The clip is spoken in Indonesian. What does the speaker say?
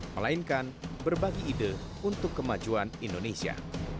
melainkan berbagi ide untuk kemajuan indonesia